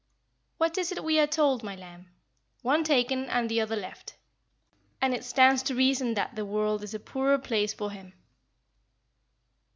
"What is it we are told, my lamb? 'One taken and the other left'; and it stands to reason that the world is a poorer place for him."